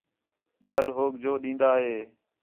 ٻِیال ہوک جو ݙین٘دا ہِے